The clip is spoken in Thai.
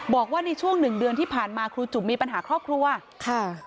บอกว่าในช่วงหนึ่งเดือนที่ผ่านมาครูจุ๋มมีปัญหาครอบครัวค่ะ